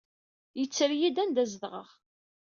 Yetter-iyi-d anda ay zedɣeɣ.